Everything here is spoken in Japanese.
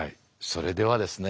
それではですね